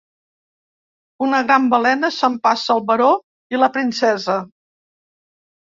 Una gran balena s'empassa el baró i la princesa.